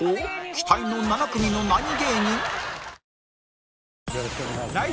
期待の７組の何芸人？